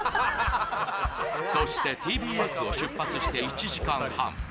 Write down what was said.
そして、ＴＢＳを出発して１時間半。